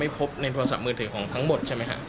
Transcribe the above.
พบในโทรศัพท์มือถือของทั้งหมดใช่ไหมครับ